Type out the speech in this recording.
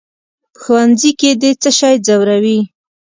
"په ښوونځي کې دې څه شی ځوروي؟"